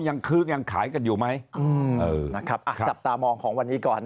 คึกยังขายกันอยู่ไหมนะครับอ่ะจับตามองของวันนี้ก่อน